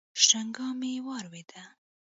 شرنگا مې واورېد.